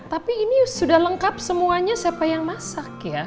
tapi ini sudah lengkap semuanya siapa yang masak ya